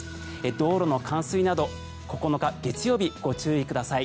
道路の冠水など９日、月曜日ご注意ください。